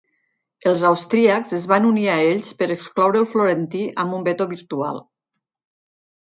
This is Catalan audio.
Els austríacs es van unir a ells per excloure el florentí amb un veto virtual.